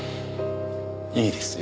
いいですよ。